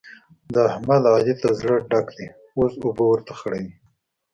د احمد؛ علي ته زړه ډک دی اوس اوبه ورته خړوي.